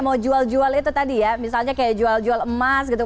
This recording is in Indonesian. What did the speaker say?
mau jual jual itu tadi ya misalnya kayak jual jual emas gitu